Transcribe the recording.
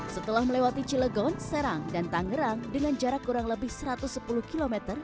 setelah melewati cilegon serang dan tangerang dengan jarak kurang lebih satu ratus sepuluh km